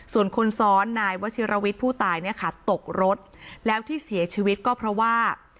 ส่วนคนซ้อนนายวชิรวิทย์ผู้ตายเนี่ยค่ะตกรถแล้วที่เสียชีวิตก็เพราะว่า